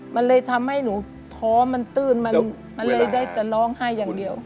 มันเลยทำให้หนูท้อมันตื้นมันเลยได้แต่ร้องไห้อย่างเดียว